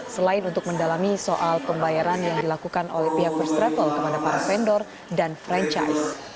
selain untuk mendalami soal pembayaran yang dilakukan oleh pihak first travel kepada para vendor dan franchise